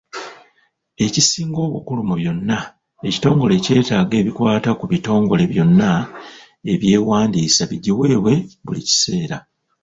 Ekisinga obukulu mu byonna, ekitongole kyetaaga ebikwata ku bitongole byonna ebyewandiisa bigiweebwe buli kiseera.